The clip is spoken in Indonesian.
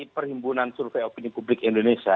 perhimpunan survei opini publik indonesia